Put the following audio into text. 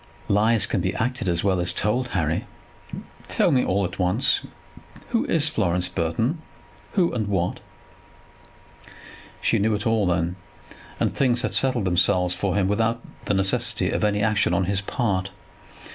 "Lies can be acted as well as told. Harry, tell me all at once. Who is Florence Burton; who and what?" She knew it all, then, and things had settled themselves for him without the necessity of any action on his part.